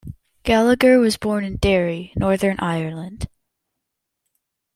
Gallagher was born in Derry, Northern Ireland.